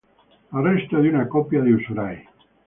Arresto di una coppia di usurai.